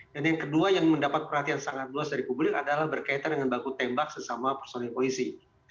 dan yang kedua yang mendapat perhatian sangat luas dari publik adalah berkaitan dengan baku tembak sesama personil polisi